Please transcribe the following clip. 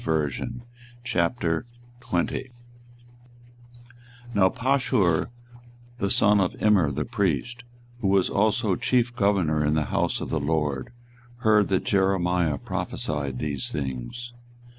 24:020:001 Now Pashur the son of Immer the priest, who was also chief governor in the house of the LORD, heard that Jeremiah prophesied these things.